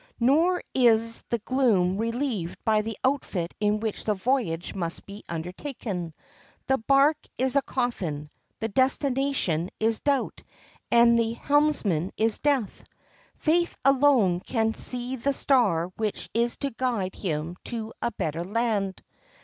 Nor is the gloom relieved by the outfit in which the voyage must be undertaken. The bark is a coffin, the destination is doubt, and the helmsman is death. Faith alone can see the star which is to guide him to a better land.